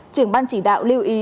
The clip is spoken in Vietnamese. trường ban chỉ đạo lưu ý